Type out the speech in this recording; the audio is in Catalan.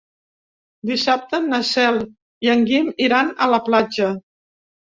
Dissabte na Cel i en Guim iran a la platja.